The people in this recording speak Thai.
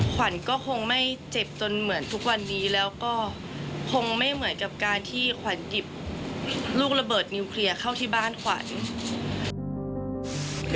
ขวัญก็คงไม่เจ็บจนเหมือนทุกวันนี้แล้วก็คงไม่เหมือนกับการที่ขวัญหยิบลูกระเบิดนิวเคลียร์เข้าที่บ้านขวัญ